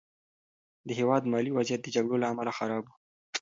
د هېواد مالي وضعیت د جګړو له امله خراب و.